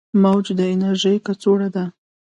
موج د انرژي کڅوړه ده.